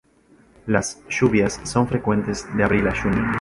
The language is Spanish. Las lluvias son frecuentes de abril a junio.